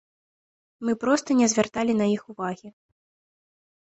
Мы проста не звярталі на іх увагі.